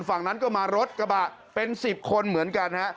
ฝั่งนั้นก็มารถกระบะเป็น๑๐คนเหมือนกันฮะ